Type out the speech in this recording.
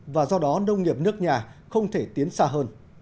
và do đó nông nghiệp nước nhà không thể tiến xa hơn